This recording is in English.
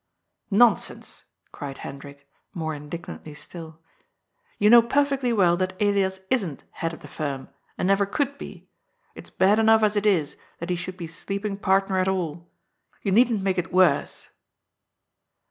"Nonsense,'* cried Hendrik, more indignantly still. " You know perfectly well that Elias isn't head of the firm, and never could be. It's bad enough, as it is, that he should be sleeping partner at all. You needn't make it worse